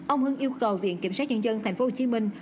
ông hưng yêu cầu viện kiểm sát nhân dân thành phố hồ chí minh